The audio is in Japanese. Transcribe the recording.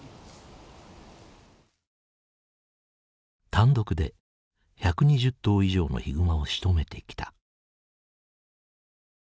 単独で１２０頭以上のヒグマをしとめてきた。